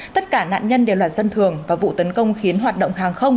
tất cả nạn nhân đều là dân thường và vụ tấn công khiến hoạt động hàng không